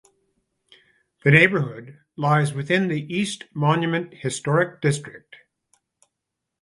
The neighborhood lies within the East Monument Historic District.